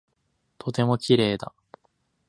とても綺麗だ。